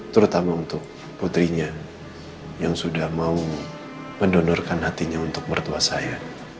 terutama untuk putrinya yang sudah mau mendonorkan hatinya untuk mertua saya